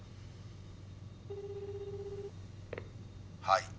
「はい」